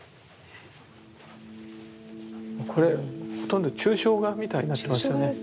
これほとんど抽象画みたいになってますよね。